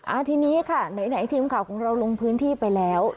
อ่าทีนี้ค่ะไหนทีมข่าวของเราลงพื้นที่ไปแล้ว